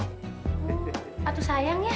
oh atuh sayang ya